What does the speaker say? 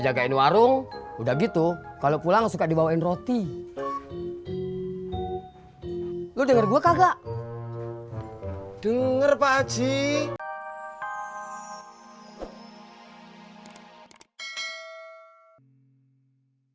di kain warung udah gitu kalau pulang suka dibawain roti lu denger gua kagak denger pakcik